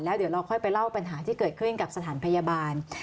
เดี๋ยวเราค่อยไปเล่าปัญหาที่เกิดขึ้นกับสถานพยาบาล